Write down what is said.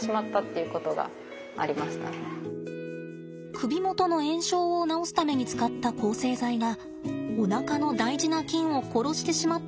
首元の炎症を治すために使った抗生剤がおなかの大事な菌を殺してしまったのが原因でした。